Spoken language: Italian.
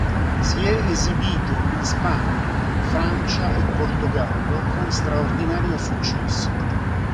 Si è esibito in Spagna, Francia e Portogallo con straordinario successo.